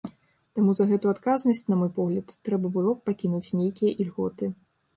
Таму за гэту адказнасць, на мой погляд, трэба было б пакінуць нейкія ільготы.